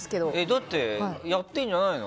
だって、やってんじゃないの？